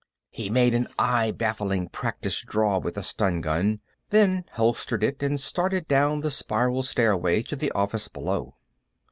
He made an eye baffling practice draw with the stun pistol, then holstered it and started down the spiral stairway to the office below.